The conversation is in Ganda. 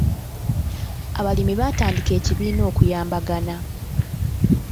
Abalimi baatandika ekibiina okuyambagana.